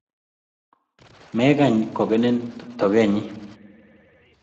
Megany kogenin togenyyi?